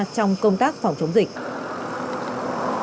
trong công tác phòng chống dịch